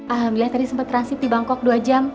alhamdulillah tadi sempat transit di bangkok dua jam